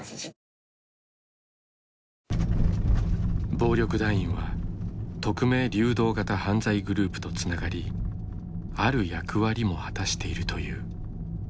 暴力団員は匿名・流動型犯罪グループとつながりある役割も果たしているという。